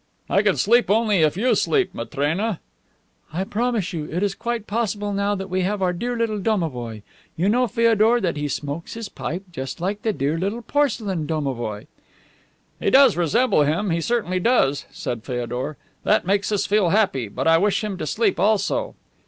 "I can sleep only if you sleep, Matrena." "I promise you. It is quite possible now that we have our dear little domovoi. You know, Feodor, that he smokes his pipe just like the dear little porcelain domovoi." "He does resemble him, he certainly does," said Feodor. "That makes us feel happy, but I wish him to sleep also."